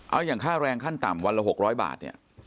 เอาอย่างค่าแรงขั้นต่ำวันละ๖๐๐บาทเนี่ย